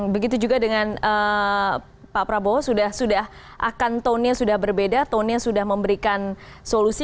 begitu juga dengan pak prabowo akan tone nya sudah berbeda tone nya sudah memberikan solusi